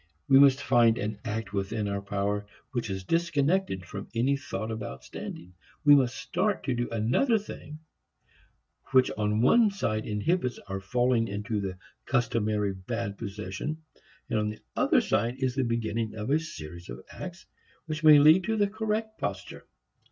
We must find an act within our power which is disconnected from any thought about standing. We must start to do another thing which on one side inhibits our falling into the customary bad position and on the other side is the beginning of a series of acts which may lead into the correct posture.